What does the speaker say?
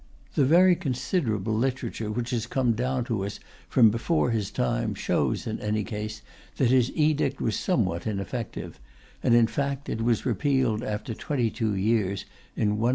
The very considerable literature which has come down to us from before his time shows, in any case, that his edict was somewhat ineffective; and in fact it was repealed after twenty two years, in 191.